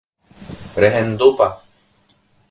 Rehendúpa?